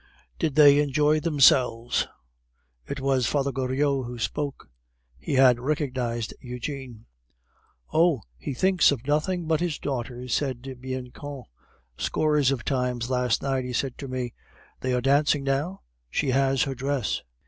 "Did they enjoy themselves?" It was Father Goriot who spoke. He had recognized Eugene. "Oh! he thinks of nothing but his daughters," said Bianchon. "Scores of times last night he said to me, 'They are dancing now! She has her dress.